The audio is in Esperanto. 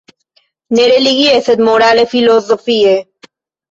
Ne religie, sed morale-filozofie.